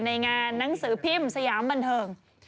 ในงานหนังสือพิมพ์สยามบันเทิง